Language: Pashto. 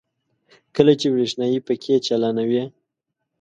کله چې برېښنايي پکې چالانوي.